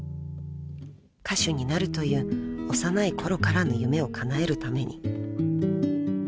［歌手になるという幼いころからの夢をかなえるために］